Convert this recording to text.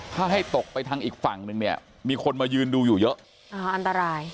ถ้าให้ตกไปทางอีกฝั่งนึงเนี่ยมีคนมายืนดูอยู่เยอะอ่าอันตราย